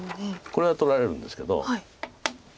これは取られるんですけど。